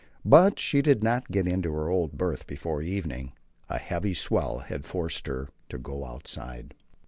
But she did not get into her old berth before evening. A heavy swell had forced her to go outside.